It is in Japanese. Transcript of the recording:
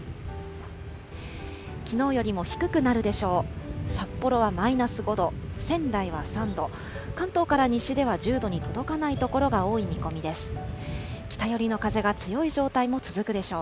きのうよりも低くなるでしょう。